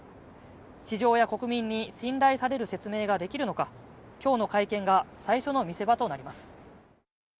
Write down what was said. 市場は国民に信頼される説明ができるのか今日の会見が最初の見せ場となります。